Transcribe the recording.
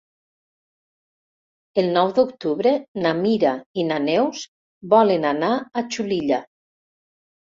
El nou d'octubre na Mira i na Neus volen anar a Xulilla.